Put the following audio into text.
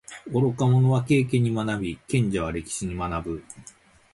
愚か者は経験に学び，賢者は歴史に学ぶ。